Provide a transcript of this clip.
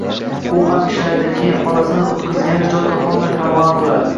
U ham ishlardi, lekin xolasini o`tqizgani joy topolmay parvona bo`lardi